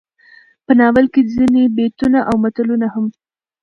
په ناول کې ځينې بيتونه او متلونه هم